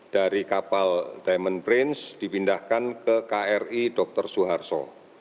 dari kapal diamond prince dipindahkan ke kri dr suharto